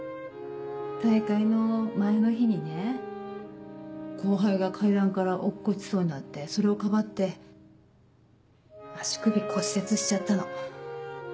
大会の前の日にね後輩が階段から落っこちそうになってそれをかばって足首骨折しちゃったの。